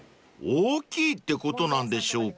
［大きいってことなんでしょうか］